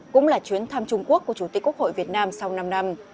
cũng là chuyến thăm trung quốc của chủ tịch quốc hội việt nam sau năm năm